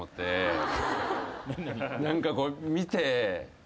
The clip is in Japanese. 何かこう見て。